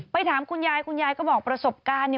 ถามคุณยายคุณยายก็บอกประสบการณ์เนี่ย